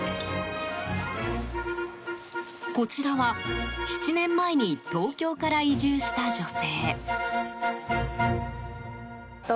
こちらは７年前に東京から移住した女性。